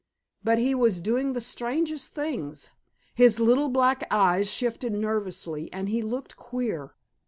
But he was doing the strangest things: his little black eyes shifted nervously, and he looked queer.